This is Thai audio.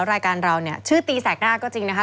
รายการเราเนี่ยชื่อตีแสกหน้าก็จริงนะคะ